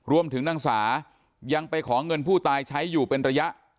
รวมถึงนางสายังไปขอเงินผู้ตายใช้อยู่เป็นระยะ